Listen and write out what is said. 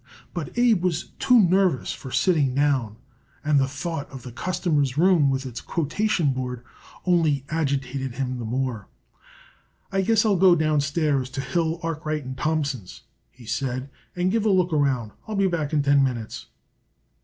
But Abe was too nervous for sitting down, and the thought of the customers' room with its quotation board only agitated him the more. "I guess I'll go downstairs to Hill, Arkwright & Thompson's," he said, "and give a look around. I'll be back in ten minutes."